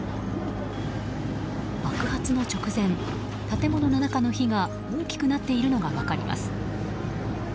爆発の直前、建物の中の火が大きくなっているのが分かります。